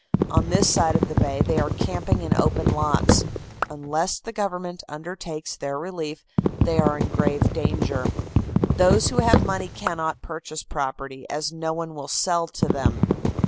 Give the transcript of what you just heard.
On this side of the bay they are camping in open lots. Unless the government undertakes their relief, they are in grave danger. Those who have money cannot purchase property, as no one will sell to them.